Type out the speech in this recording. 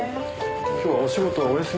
今日はお仕事はお休みですか？